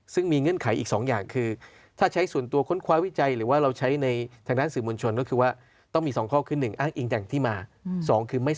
ซึ่งมีเงื่อไขอีกสองอย่างคือ